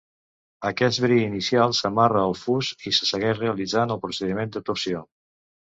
Aquest bri inicial s'amarra al fus i se segueix realitzant el procediment de torsió.